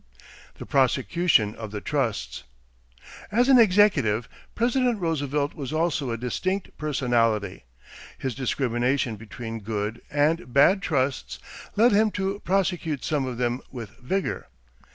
=The Prosecution of the Trusts.= As an executive, President Roosevelt was also a distinct "personality." His discrimination between "good" and "bad" trusts led him to prosecute some of them with vigor.